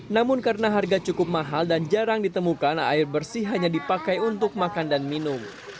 namun karena harga cukup mahal dan jarang ditemukan air bersih hanya dipakai untuk makan dan minum